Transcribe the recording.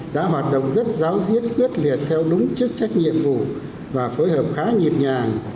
đã hoạt động rất giáo diết quyết liệt theo đúng chức trách nhiệm vụ và phối hợp khá nhịp nhàng